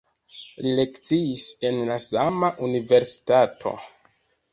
Li lekciis en la sama universitato.